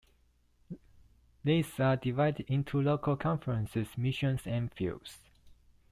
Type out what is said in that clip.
These are divided into Local Conferences, Missions, and Fields.